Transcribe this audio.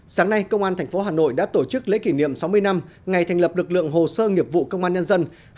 sáng nay công an tp hà nội đã tổ chức lễ kỷ niệm sáu mươi năm ngày thành lập lực lượng hồ sơ nghiệp vụ công an nhân dân